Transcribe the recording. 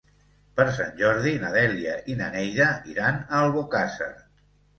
Per Sant Jordi na Dèlia i na Neida iran a Albocàsser.